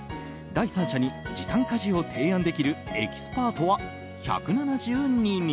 第三者に時短家事を提案できるエキスパートは１７２人。